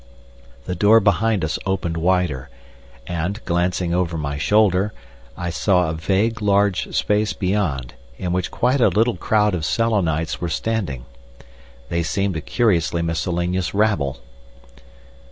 The door behind us opened wider, and, glancing over my shoulder, I saw a vague large space beyond, in which quite a little crowd of Selenites were standing. They seemed a curiously miscellaneous rabble.